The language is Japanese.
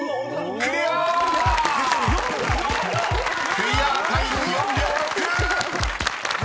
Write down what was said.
［クリアタイム４秒６！］